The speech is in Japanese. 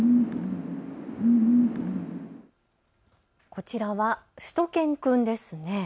こちらはしゅと犬くんですね。